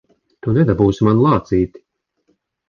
Tu nedabūsi manu lācīti!